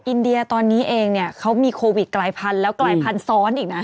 อินเดียตอนนี้เองเนี่ยเขามีโควิดกลายพันธุ์แล้วกลายพันธุ์ซ้อนอีกนะ